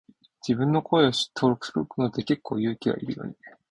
自分の声を登録するのって結構勇気いるよね。